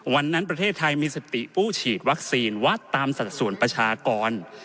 ประเทศไทยมีสติผู้ฉีดวัคซีนวัดตามสัดส่วนประชากร